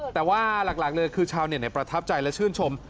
แต่ว่าหลักเลยคือชาวเน็ตประทับใจและชื่นชม